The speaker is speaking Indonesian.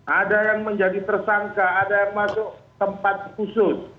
ada yang menjadi tersangka ada yang masuk tempat khusus